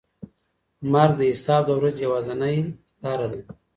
مرګ د حساب د ورځې یوازینۍ لاره ده.